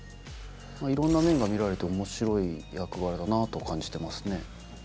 いろんな面が見られて面白い役柄だなと感じてますね。